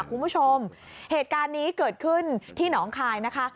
คุณผู้ชมเหตุการณ์นี้เกิดขึ้นที่หนองคายนะคะ